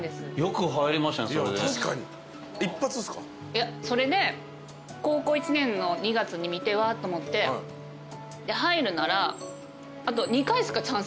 いやそれで高校１年の２月に見てうわっと思って入るならあと。